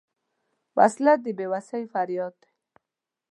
وسله د بېوسۍ فریاد دی